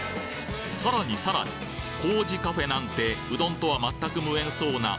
さらにさらに麹カフェなんてうどんとは全く無縁そうな